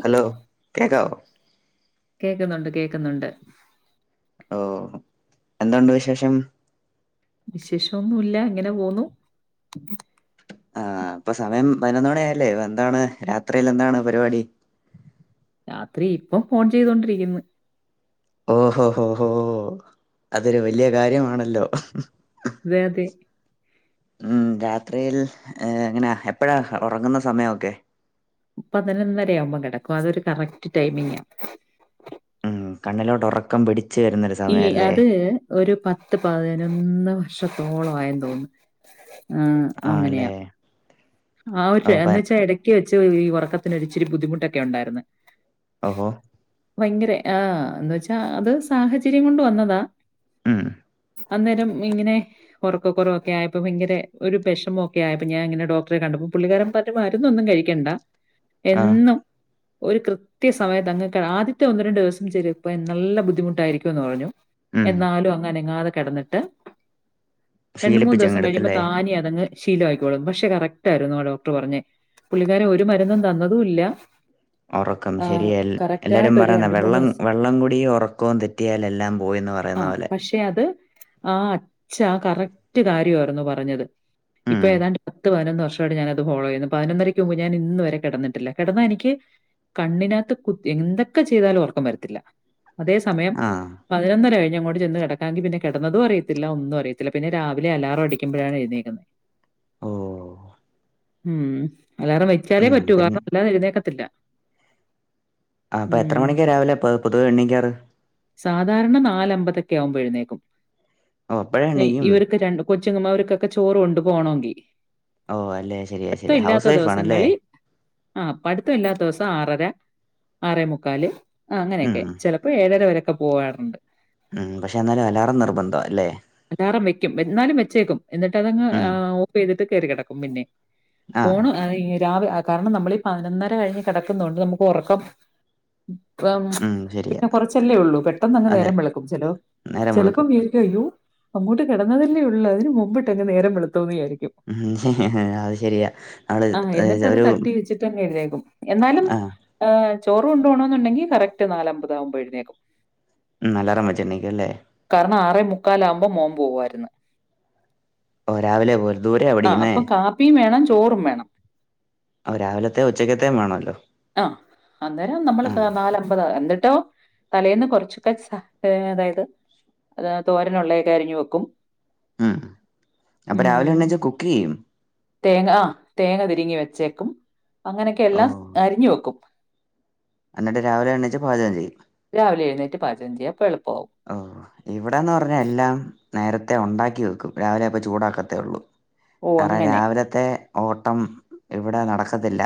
Hello കേക്കാവോ കേക്കുന്നുണ്ട് കേക്കുന്നുണ്ട് ഓഹ് എന്തോ ഉണ്ട് വിശേഷം വിശേഷം ഒന്നുമില്ല ഇങ്ങെനെ പോന്നു ആഹ് ഇപ്പം സമയം പൈനൊന്ന് മണിയായില്ലേ എന്താണ് രാത്രിയിൽ എന്താണ് പരിപാടി രാത്രി ഇപ്പം ഫോൺ ചെയ്തോണ്ടിരിക്കുന്നു ഓഹോ ഹോ ഹോ അതൊരു വല്ല്യയ കാര്യമാണല്ലോ അതെ അതെ ഉംഹ് രാത്രിയിൽ ഏഹ് എങ്ങനാ എപ്പഴാ ഒറങ്ങുന്ന സമയൊക്കെ പതിനൊന്നര ആവുമ്പം കെടക്കും അതൊരു കറക്റ്റ് ടൈമിങ്ങാ ഉം കണ്ണിലോട്ട് ഒറക്കം പിടി ഈ അത് ഒരു പത്ത് പതിനൊന്ന് വർഷത്തോളം ആയെന്ന് തോന്നുന്നു ആഹ് അങ്ങനെയാ ആണല്ലേ ആഹ് ഒരു ഓ എന്ന് പ വെച്ചാ എടക്ക് വെച്ച് ഈ ഉറക്കത്തിനൊരിച്ചിരി ബുദ്ധിമുട്ടെക്കെ ഒണ്ടായിരുന്ന് ഒഹോ ഭയങ്കര ആഹ് എന്ന് വെച്ചാ അത് സാഹചര്യം കൊണ്ട് വന്നതാ ഉംഹ് അന്നേരം ഇങ്ങനെ ഒറക്കക്കൊറവൊക്കെ ആയപ്പം ഭയങ്കര ഒരു വെഷമോക്കെ ആയപ്പം ഞാൻ ഇങ്ങനെ ഡോക് ട്റെ കണ്ടപ്പം പുള്ളിക്കാരൻ പറഞ്ഞു മരുന്നൊന്നും കഴിക്കണ്ട ആ എന്നും ഒരു കൃത്യ സമയതങ്ങ് ആദ്യത്തെ ഒന്ന് രണ്ട് ദിവസം ചെലിപ്പം നല്ല ബുദ്ധിമുട്ടായിരിക്കും എന്ന് പറഞ്ഞു ഉം എന്നാലും അങ്ങ് അനങ്ങാതെ കെടന്നിട്ട് രണ്ട് മൂന്ന് ദിവസം കഴിയുമ്പം ശീലിപ്പിച്ചങ്ങെടുത്തല്ലേ താനെ അതങ്ങ് ശീലം ആയിക്കോളും പക്ഷെ കറക് റ്റായിരുന്നു ആ ഡോക്ട്ർ പറഞ്ഞേ പുള്ളിക്കാരൻ ഒരു മരുന്നും തന്നതുയില്ല ഒറക്കം ശരി അൽ എല്ലാരും ആയിട്ട് ഒരു പറയുന്നെ വെള്ളം ദിവസം വെള്ളംകുടിയും ഒറക്കവും തെറ്റിയാൽ എല്ലാം പോയിന്ന് പറയുന്ന ആഹ് പോലെ പക്ഷെ അത് ആഹ് അച്ഛ ആഹ് കറക്റ്റ് കാര്യയായിരുന്നു പറഞ്ഞത് ഇപ്പൊ ഉം ഏതാണ്ട് പത്ത് പതിനൊന്ന് വർഷവായിട്ട് ഞാൻ അത് ഫോളോ ചെയ്യുന്നു പതിനൊന്നരയ്ക്ക് മുമ്പ് ഞാൻ ഇന്നുവരെ കെടന്നിട്ടില്ല കെടന്നാ എനിക്ക് കണ്ണിനകത്ത് കു എന്തൊക്കെ ചെയ്താലും ഒറക്കം വരത്തില്ല അതേ സമയം ആഹ് പതിനൊന്നര കഴിഞ്ഞ് അങ്ങോട്ട് ചെന്ന് കെടക്കാങ്കി പിന്നെ കെടന്നതും അറിയത്തില്ല ഒന്നും അറിയത്തില്ല പിന്നെ രാവിലെ അലാറം അടിക്കുമ്പഴാണ് എഴുന്നേക്കുന്നത് ഓഹ് ഉംഹ് അല്ലാറം വെച്ചാലേ ഉം പറ്റൂ പിന്നെ കാരണം അല്ലാതെ എഴുന്നേൽക്കത്തില്ല ആഹ് അപ്പൊ എത്ര ഉം. മണിക്കാ രാവിലെ പൊതുവേ ഇണ്ണിക്കാറ് സാധാരണ നാല് അമ്പതെക്കെ ആകുമ്പം എഴുന്നേക്കും ഓ അപ്പഴേ എണീക്കും ഇവരക്ക് രണ്ടും കൊച്ചുങ്ങമാ അവർക്കൊക്കെ ചോറു കൊണ്ട് പോകണമെങ്കി ഓഹ് അല്ലെ ശരിയാ ശരിയാ ഹൗസ് വൈഫ് ആണ് അല്ലേ ആഹ് പഠിത്തം ഇല്ലാത്ത ദിവസം ആറ് അര ആറേ മുക്കാല് ഉം അങ്ങനെയെക്കെ ചെല ഇപ്പൊ ഏഴ് അര വരെ ഒക്കെ പോകാവാന്നു ഉംഹ് പക്ഷേ എന്നാലും അലാറം നിർബന്ധാ എല്ലേ അലാറം വെക്കും എന്നാലും വെച്ചേക്കും എന്നിട്ട് അതങ്ങ് ഉം ഓഫ് ചെയ്തിട്ട് കേറി കെടക്കും പിന്നെയെ ആഹ് ഫോണ് രാവി കരണം നമ്മള് ഈ പതിനൊന്നര കഴിഞ്ഞ് കെടക്കുന്നൊണ്ട് നമുക്ക് ഉറക്കം ആഹ് ഉം ശരിയാ പിന്നെ കൊറച്ചല്ലേ ഉള്ളൂ പെട്ടെന്ന് അങ്ങ് അതെ നേരം വെളുക്കും ചെല നേരം ചെലപോ വെളുക്കും വീ അയ്യോ അങ്ങോട്ട് കെടന്നതല്ലേ ഒള്ളു അതിന് മുമ്പിട്ട് അങ്ങ് നേരം വെളുത്തോന്ന് വിചാരിക്കും അത് ശരിയാ നമ്മള് ആഹ് എന്നിട്ട് ഏഹ് അത് ഒരു തട്ടി വെച്ചിട്ട് അങ്ങ് എഴുന്നേക്കും എന്നാലും ആഹ് ആഹ് ചോറ് കൊണ്ടു പോണയെന്നുണ്ടെങ്കി കറക്റ്റ് നാല് അമ്പത് ആകുമ്പം എഴുന്നേക്കും അലാറം വെച്ച് എണീക്കും അല്ലേ? കാരണം ആറേ മുക്കാലാവകുമ്പോ മോൻ പോവായിരുന്നു ഓ രാവിലെ ഒരു ദൂരെയ ആഹ് അപ്പൊ പഠിക്കുന്നുന്നത് കാപ്പിയും വേണം ചോറും വേണം രാവിലത്തെയ ഉച്ചക്കത്തെയ വേണല്ലോ ആഹ് അന്നേരം നമ്മൾ ആഹ് നാലമ്പത് എന്ട്ടോ തലേന്ന് കുറച്ചൊക്കെ പൈസ അതായത് തോരന ഉള്ളയൊക്കെ അരിഞ്ഞഞ് വെക്കും. ഉം അപ്പൊ രാവിലെ ഉം എണെച്ചാൽ കുക്ക് ചെയ്യും തേങ്ങ ആ തേങ്ങ തിരിങ്ങി വെച്ചേക്കും അങ്ങനെയൊക്കെ ഓ എല്ലാം അരിഞ്ഞു വെക്കും എന്നിട്ട് രാവില എണച്ച് പാജകം ചെയ്യും രാവിലെ എഴുന്നേറ്റ പാചകം ചെയ്യും അപ്പോ എളുപ്പവും ഓ ഇവിടെന്ന് പറഞ്ഞാ എല്ലാം നേരത്തെ ഉണ്ടാക്കി വെക്കും രാവിലെ അപ്പ ചൂടാക്കത്തേ ഉള്ളൂ ഓ കാരണം അങ്ങനെ രാവിലത്തെ ഓട്ടം ഇവിടെ നടക്കത്തില്ല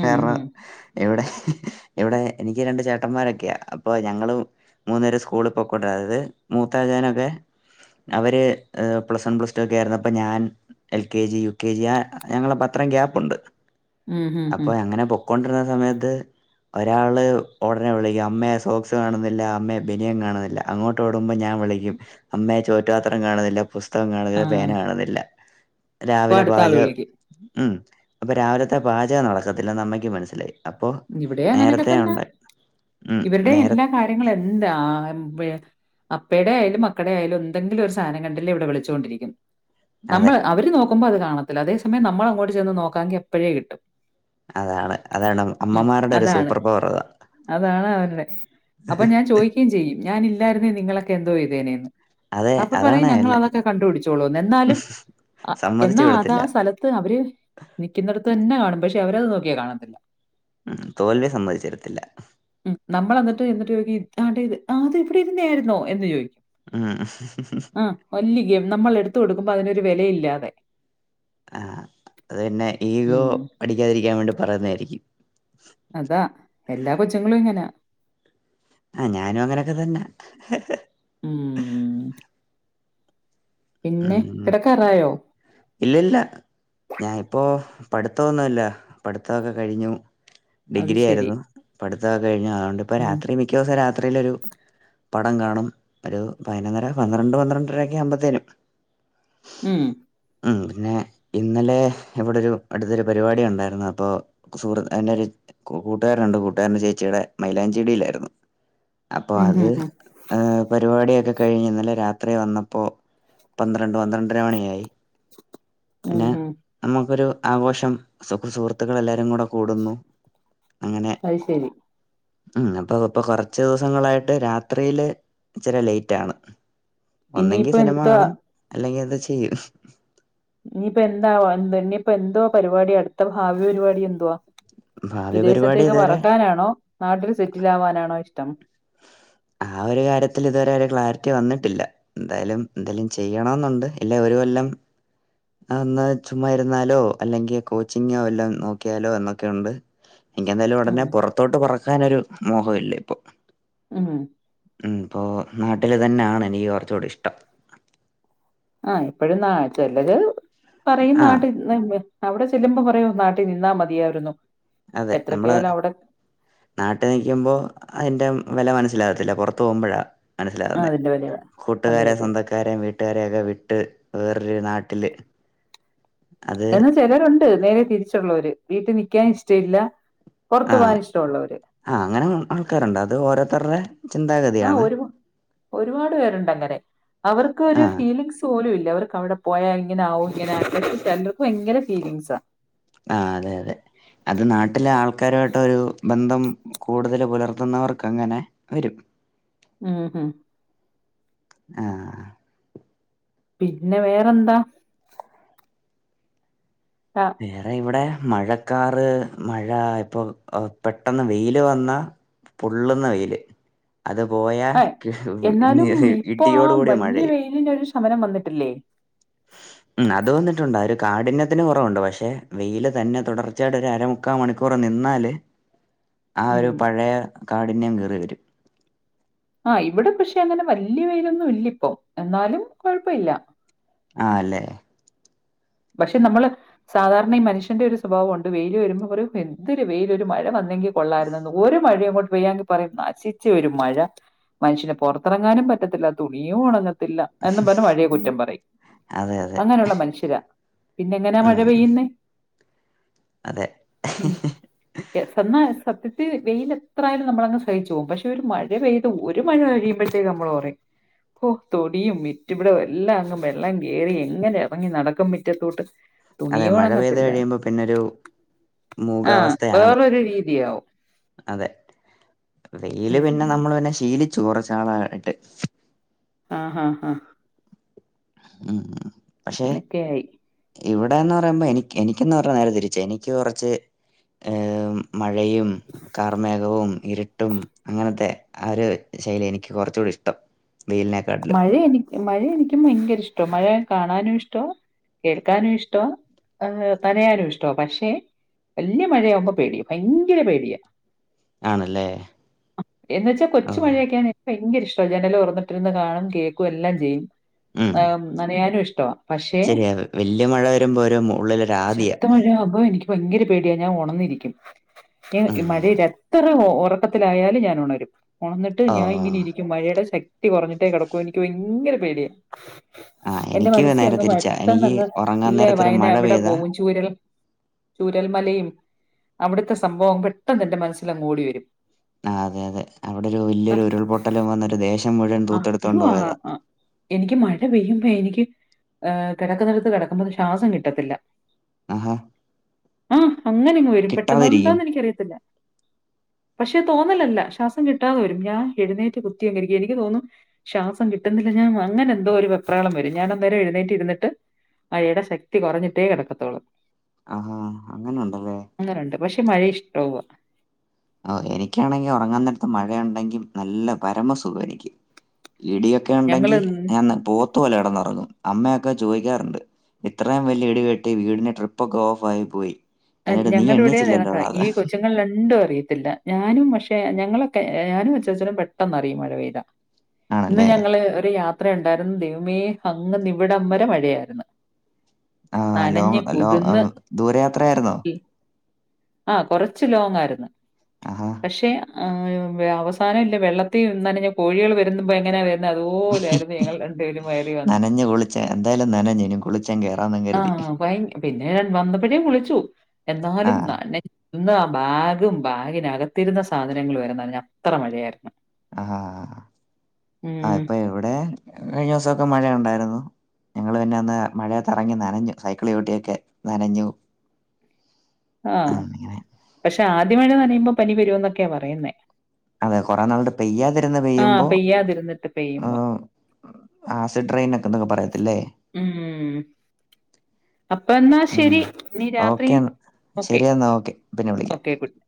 ഉം കാരണം ഉം ഇവിടെ ഇവിടെ എനിക്ക് രണ്ട് ചേട്ടന്മാരൊക്കെയ അപ്പൊ ഞങ്ങളും മൂന്ന നേരം സ്കൂള പൊക്കണ്ടായത് മൂത്താജാനൊക്കെ അവര് പ്ലസ് വൺ പ്ലസ് ടു ഒക്കെ ആയിരുന്നു അപ്പൊ ഞാൻ L K G U K G ആ ഞങ്ങള പത്രം ഗ്യാപ്പുണ്ട് ഉം ഉം അപ്പൊ ഉം അങ്ങനെ പോ കൊണ്ടിരുന്ന സമയത്ത് ഒരാള് ഉടനെ വിളിക്കും അമ്മയെ സോക്സ് കാണുന്നില്ല അമ്മ ബനിയം കാണുന്നില്ല അങ്ങോട്ട് ഓടുമ്പോ ഞാൻ വിളിക്കും അമ്മയെ ചോറ്റുാത്രം കാണുന്നില്ല പുഷ് ആ കാണില്ല പേന കാണുന്നില്ല അപ്പൊ രാവിലെ അടുത്ത ആള് പാചകം വിളിക്കും ഉം അപ്പൊ രാവിലത്തെ പാചകം നടക്കത്തില്ലന്ന് അമ്മയ്ക്ക് മനസ്സിലായി അപ്പൊ ഇവിടെ അങ്ങനൊക്കെ നേരത്തെ തന്നെ ഉണ്ട് ഉം ഇവരുടെ നേര എല്ലാ കാര്യങ്ങളും എന്താ അപ്പേടെ ആയാലും മക്കടെ ആയാലും എന്തെങ്കിലും ഒരു സാധനം കണ്ടല്ലേ ഇവിടെ വിളിച്ചുകൊണ്ടിരിക്കും അതെ നമ്മള് അവര് നോക്കുമ്പോ അത് കാണത്തില്ല അതേ സമയം നമ്മൾ അങ്ങോട്ട് ചെന്ന് നോക്കാെങ്കിൽ എപ്പോഴേ കിട്ടും അതാണ് അതാണ് അമ്മമാരുടെ ഒരു അതാണ് സൂപ്പർ പവർ അതാ അതാണ് അവരുടെ അപ്പൊ ഞാൻ ചോയിക്ക ക്കും ചെയ്യും ഞാന് ഇല്ലായിരുന്നേ നിങ്ങളൊക്കെ എന്തോ ചെയ്തേനെ ന്ന് അതെ അപ്പൊ അതാണ് പറയും ഞങ്ങൾ എല്ല അതൊക്കെ കണ്ടുപിടിച്ചോളൂ എന്നാലും സമ്മതിച്ചു എന്നാ അത് വിടത്തില്ല സ്ഥലത്ത് ത് അവര് നിക്കിന്നെടത്ത് തന്നെ കാണും പക്ഷെ അവരത് നോക്കിയാൽ കാണത്തില്ല ഉം തോൽവി സംമ്മതിച്ചരത്തില്ല ഉം നമ്മളെന്നിട്ട് യെന്നിട്ട് ചോയിക്കി ഇ താണ്ടേ ഇത് ആതിവിടിരിന്നേയിര്ന്നോ എന്ന് ചോയിക്കും ഉം ആഹ് ആഹ് വല്ല്യ ഗേ നമ്മളെടുത്തു കൊടുക്കുമ്പോ അതിനൊരു വിലയില്ലാതെ ആഹ് അത് പിന്നെ ഈഗോ ഉം. അടിക്കാതിരിക്കാൻ വേണ്ടി പറയുന്നായിരിക്കും അതാ എല്ലാ കൊച്ചിങ്ങളും ഇങ്ങനാ ആഹ് ഞാനും അങ്ങനൊക്കതന്നാ ഉം പിന്നെ കെടക്കാറായോ ഇല്ലല്ല ഞായിപ്പോ പഠിത്തോന്നുല്ല പഠിത്തോക്ക കഴിഞ്ഞു അത് ഡിഗ്രി ശരി. ആരുന്നു പഠിത്തോക്ക കഴിഞ്ഞു അതോണ്ടിപ്പ ഉം. രാത്രി മിക്കോസം രാത്രിയിലൊരു പടം കാണും പയിനൊന്നര പന്ത്രണ്ട് പന്ത്രണ്ടരൊക്കെ ആവുമ്പത്തേനും ഉം ഉം പിന്നെ ഇന്നലെ ഇവിടൊരു അടുത്തൊരു പരിപാടിയൊണ്ടായിരുന്നു അപ്പോ സുഹൃത്ത് എന്റൊരു കൂ കൂട്ടുകാരനൊണ്ട് കൂട്ടുകാരന്റെ ചേച്ചിടെ മൈലാഞ്ചിടിയിലായിരുന്നു അപ്പോ ഉം, അത് ഹും, ഹും. പരുപാടിയൊക്കെ കഴിഞ് ഇന്നല രാത്രി വന്നപ്പോ പന്ത്രണ്ട് പന്ത്രണ്ടര മണിയായി ഉം, പിന്നെ ഹും. നമുക്കൊരു ആഘോഷം സു സുഹൃത്തുക്കൾ എല്ലാരും കൂടെ കൂടുന്നു അങ്ങനെ അയിശെരി ഉം അപ്പൊ ഇപ്പൊ കൊറച്ച് ദിവസങ്ങളായിട്ട് രാത്രീല് ഇച്ചിരി ലെയിറ്റാണ് ഒന്നെങ്കി ഇനിയിപ്പോ സിനിമ എന്താ കാണും അല്ലെങ്കിൽ എന്ത് ചെയ്യും ഇന്നിപ്പ എന്താവ [unintelligible] ഇനിയിപ്പോ എന്തോ പരിപാടി അട്ത്ത ഭാവി പരിപാടി എന്തുവാ ഭാവി പരിപാടി വിദേശത്തേക്ക് ഇതുവരെ പറക്കാനാണോ നാട്ടിൽ സെറ്റിൽ ആവാനാണോ ഇഷ്ടം ആ ഒരു കാര്യത്തില് ഇതുവരെയൊരു ക്ലാരിറ്റി വന്നിട്ടില്ല എന്തായാലും എന്തേലും ചെയ്യണോന്നൊണ്ട് ഇല്ലെ ഒരു കൊല്ലം അന്നാ ചുമ്മാ ഇരുന്നാലോ അല്ലെങ്കി കോച്ചിങ്ങോ വല്ലോം നോക്കിയാലോ എന്നൊക്കെയുണ്ട് എനിക്കെന്തായാലും ഉം ഉടനെ പൊറത്തോട്ട് പറക്കാനൊരു മോഹ ഇല്ലിപ്പൊ ഉം ഉം പ്പോ നാട്ടിൽ തന്നാണ് എനിക്ക് കൊറച്ചൂടി ഇഷ്ടം ആഹ് ഇപ്പഴും നാ ചെലര് പറയും ആ നാട്ടിൽ [unintelligible] അവ്ട ചെല്ലുമ്പം പറയും നാട്ടിൽ നിന്നാ മതിയായിരുന്നു അതെ നമ്മള് എത്രക്കായാലും അവിടെ നാട്ട് നിക്കുമ്പോ അയിന്റ വെല മനസ്സിലാവത്തില്ല പുറത്ത് പോവുമ്പഴാ ആ മനസ്സിലാവുന്നേ അതിന്റെ വിലയ അതെ കൂട്ടുകാരേം അതെ സ്വന്തക്കാരേം വീട്ടുകാരെയൊക്കെ വിട്ട് വേറൊരു നാട്ടില് അത് എന്ന ചെലരുണ്ട് നേരെ തിരിച്ചൊള്ളോര് വീട്ടി നിക്കാൻ ഇഷ്ട്ടയില്ല പോർത്ത് പോവാനിഷ്ട്ടൊള്ളവര് ആഹ് അങ്ങനേം ആൾക്കാരൊണ്ട് അത് ഓരോത്തർടെ ആഹ് ഒരുപാ ഒരുപാട് പേരുണ്ട് അങ്ങനെ ആ അവർക്കൊരു ഫീലിംഗ്സ് പോലുമില്ല അവർക്ക് അവിടെ പോയാ ഇങ്ങന ആകും ഇങ്ങനെ [inaudible] [unintelligible] ഭയങ്കര ഫീലിങ്ങ്സ ആ അതെയതെ അത് നാട്ടിലെ ആൾക്കാരുമായിട്ട് ഒരു ബന്ധം കൂടുതൽ പുലർത്തുന്നവർക്ക് അങ്ങനെ വരും ഉം ഉം ആഹ് പിന്നെ വേറെന്താ ആഹ് വേറെ ഇവിടെ മഴക്കാറ് മഴ ഇപ്പൊ പെട്ടന്ന് വെയില് വന്നാ പൊള്ളുന്ന വെയില് അത് പോയാ ആ എന്നാലും ഇപ്പൊ ആ ഇടിയോട് കൂടിയ വലിയ മഴയും വെയിലിനൊരു ശമനം വന്നിട്ടില്ലേ ഉം അത് വന്നിട്ടുണ്ട് ഒരു കാഠിന്യത്തിന് വ ന്നിട്ടുണ്ട് പഷെ വെയിയില് തന്നെ തുടർച്ചയയുടെ ഒരു അരമുക്കാ മണിക്കൂർ നിന്നാല് ആ ഉം ഒരു പഴയ കാഠിന്യം കേറി വരും ആഹ് ഇവ്ടെ പഷെ അങ്ങനെ വല്ല്യ വെയിലൊന്നുല്ല ഇപ്പോ എന്നാലും കൊഴപ്പ ഇല്ല ആഅല്ലേ പഷെ നമ്മള് സാധാരണ ഈ മനുഷ്യന്റെ ഒരു സ്വഭാവം ഉണ്ട് വെയിയില് വരുമ്പോ പറയും എന്തൊരു വെയിയില് ഒരു മഴ വന്ന ങ്കി കൊള്ളായിരുന്നന്ന് ഒരുഴയങ്ങോട്ട് പെയ്യാങ്കി പറയ് നശിച്ചൊരു മഴ മനുഷ്യന് പൊറത്തിറങ്ങാനും പറ്റത്തില്ല തുണിയും ഉണങ്ങത്തില്ല എന്നും പറഞ്ഞ് മഴയെ കുറ്റം പറയും അതെ അതെ അങ്ങനെയുള്ള മനുഷ്യരാ പിന്നെ എങ്ങനാ മഴ ഉം പെയ്യുന്നെ അതെ ഉം സന്നാ സത്യത്തി വെയിൽ എത്രായാലും നമ്മളങ്ങ് സഹിച്ചു പോവും പക്ഷെ ഒരു മഴ പെയ്ത് ഒരു മഴ കഴിയുമ്പഴ ത്തേക്ക് നമ്മള് പറയും ഓ തൊടിയും മിറ്റും ഇവിടെ എല്ലാം അങ്ങ് വെള്ളം കേറി എങ്ങനെ ഇറങ്ങി നടക്കും മി റ്റത്തോട്ട് അതെ തുണിയു മഴ പെയ്ത് ഉണങ്ങത്തില്ല കഴിയുമ്പോ പിന്നൊരു ആഹ് മൂകാവസ്ഥയാണ് വേറൊരു രീതിയാവും അതെ വെയില് പിന്നെ ഉം നമ്മള് പിന്നെ ശീലിച്ചു കുറച്ചു നാളായിട്ട് ആഹ് ആഹ് ആഹ് ഉം ഉം പഷെ അങ്ങനൊക്കെയായി ഇവിടെന്ന് പറയുമ്പോ എനിക്ക് എനിക്കന്ന് പറഞ്ഞ നേരെ തിരിച്ചാ എനിക്ക് കുറച്ച് മഴയും കാർമേഘവും ഇരുട്ടും അങ്ങന ക്കെ ആ ഒരു ശൈലിയെഎനിക്ക് കുറച്ചൂടി ഇഷ്ടം വെയിലിനെ മഴ എനി മഴ എനിക്കും ഭയങ്കര ഇഷ്ട മഴ കാണാനും ഇഷ്ടാ കേൾക്കാനും ഇഷ്ടവാ നനയാനും ഇഷ്ടാ പക്ഷെ വല്ല്യ മഴയാവുമ്പോ പേടിയ ഭയങ്കര പേടിയാ ആണല്ലേ എന്ന് വെച്ചാ ഓ കൊച്ചു മഴക്കാണെ ഭയങ്കര ഇഷ്ടാ ജനല് തൊറന്നിട്ടിരിന്ന് കാണും കേക്കും എല്ലാം ചെയ്യും ഉം നനയാനും ഇഷ്ടാ പക്ഷെ ശരിയാ വല്യ മഴ വരുമ്പോ ഒരു ഉള്ളിലൊരു ആദിയാ ശക്തമഴയാുമ്പോ എനിക്ക് ഭയങ്കര പേടിയ ഞാൻ ഉണന്നിരിക്കും. റ്റെ ഉം മഴൽ എത്ര ഉറ ക്കത്തിലായാലും ഞാൻ ഉണരും ഉണന്നിട്ട് ഓ ഞാൻ ഇങ്ങനെ ഇരിക്കും മഴയുടെ ശ ക്തി കൊറഞ്ഞിട്ടേ കിടക്കൂ എനിക്ക് ഭയങ്കര പേടിയ ആ എന്റെ എനിക്ക് മനസ്സി നേരെ അങ്ങ് തിരിച്ചാ പെട്ടെന്ന് എനിക്ക് അങ്ങ് ഉറങ്ങാൻ ഇല്ലേ നേരത്തൊരു വയനാ മഴ അവിടെ പെയ്താ പോകും ചൂരൽ ചൂരൽമലയും അവ്ടത്തെ സംഭവം പെട്ടെന്ന് എന്റെ മനസ്സിലങ്ങ് ഓടിവരും ആഹ് അതെ അതെ അവിടെ ഒരു വല്ല്യൊരു ഉരുൾപൊട്ടല് വന്നൊരു ദേശം മുഴുവൻ തൂ ആ അയ്യോ ആഹ ആഹഎനിക്ക് മഴ പെയ്യുമ്പൊ എനിക്ക് ഏഹ് കിടക്കുന്നടത്ത് കിടക്കുമ്പൊ ഒരു ശാസം കിട്ടത്തില്ല ആഹാ ആഹ് അങ്ങനെങ്ങ് വരും പെട്ടെന്ന് കിട്ടാതിരിക്കും എന്താന്ന് എനിക്കറിയത്തില്ല പക്ഷെ തോന്നലല്ല ശ്വാസം കിട്ടാതെ വരും. ഞാൻ എഴുന്നേറ്റ് കുത്തി അങ്ങിരിക്കും എനി ക്ക് തോന്നും ശ്വാസം കിട്ടുന്നില്ല ഞാൻ അങ്ങനെ എന്തോ ഒരു വെപ്രാളം വരും. ഞാനന്തായാലും എഴുന്നേറ്റിരിന്നിട്ട് മഴയ്ടെ ശക്തി കൊറഞ്ഞിട്ടേ കിടക്കത്തൊള്ളൂ ആഹാ അങ്ങനെ ഉണ്ടല്ലേ അങ്ങനെണ്ട് പക്ഷെ മഴ ഇഷ്ടവാ ഓഹ് എനിക്കാണെങ്കി ഉറങ്ങൻ നേരത്ത് മഴ ഉണ്ടെങ്കി നല്ല പരമസുഖാ എനിക്ക് ഇടിയൊ ക്കെ ഞങ്ങള് ഉണ്ടെങ്കി ഞാ അന്ന് പോത്ത് പോലെ കിടന്ന് ഉറങ്ങും അമ്മയൊക്കെ ചോയിക്കാറുണ്ട് ഇത്രേയും വല്ല്യ ഇടിവെട്ടി വീടിന്റെ ട്രിപ്പൊക്കെ ഓഫായി പോയി എന്നിട്ട് നീ ഞങ്ങൾടെ ഇവിടെ കണക്കാ എണീച്ചില്ലല്ലോടാ അത്. ഈ കൊച്ചുങ്ങൾ രണ്ടും അറിയത്തില്ല ഞാനും പക്ഷെ ഞങ്ങളൊക്കെ ഞാനും അച്ചാച്ചനും പെട്ടെന്ന്റിയും മഴ പെയ്താ ഇന്ന് ആണല്ലേ? ഞങ്ങള് ഒരു യാത്രയുണ്ടായിരുന്നു ദൈവമേ അങ്ങ്ന്ന്ഇവിടം വരെ മഴയായിരുന്നു ആഹ് നനഞ്ഞ് ലോങ് ലോ ദൂരയാത്രയായിരുന്നോ ആഹ് കൊറച്ച് ലോങായിര്ന്ന് ആഹാ. പക്ഷെ ആഹ് അവസാനം ഇല്ലെ വെള്ളത്തി നനഞ്ഞ കോഴികൾ വരുമ്പോ എങ്ങനാ വരുന്ന്‌ അതുപോലായിരുന്നു ഞങ്ങൾ രണ്ടുപേരും കയറി വന്നെ ഛെ എന്തായാലും നനഞ്ഞു ഇനി കു കുളിച്ചങ്ങ് കയറാന്നങ്ങ് ആഹ് ഭയ പിന്നെ വന്നപ്പോഴേ കുളിച്ചു ആ. എന്നാലും നനഞ്ഞ് ഇന്ന് ആ ബാഗും ബാഗിനകത്തിരുന്ന സാധനങ്ങൾ വരെ നനഞ്ഞു അത്ര മഴയായിരുന്നു ആഹ് ഹാ ഹാ ആഹ് ഇപ്പൊ ഇവിടെ കഴിഞ്ഞ ദിവസൊക്കെ മഴ ഒണ്ടായിരുന്നു ഞങ്ങള് പിന്നെ അന്ന് മഴയത്തെറങ്ങി നനഞ്ഞു സൈക്കിള് ചവിട്ടിയൊക്കെ നനഞ്ഞു [inaudible] ആ, ആഹ് അങ്ങനെ. പക്ഷെ ആദ്യ മഴ നനയുമ്പോ പനി വരോന്നൊക്കെയാ പറയുന്നേ അതെ കൊറേ നാള്ട് പെയ്യാതിരുന്ന് ആഹ് പെയ്യുമ്പോ പെയ്യാതിരുന്നിട്ട് പെയ്യുമ്പോ. ആഹ് ആസിഡ് ട്രയിനൊക്കെ ഇതക്കെ പറയത്തില്ലേ [inaudible] അപ്പൊ എന്നാ ഉം ശെരി ഇനി രാത്രി ഓക്കെ എന്നാ ഓക്കെ ശരി എന്നാ ഓക്കെ പിന്നെ വിളിക്കാം ഓക്കേ ഗുഡ്